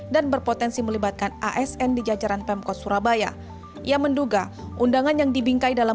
dan berpotensi melibatkan asn di jajaran pemkot surabaya ia menduga undangan yang dibingkai dalam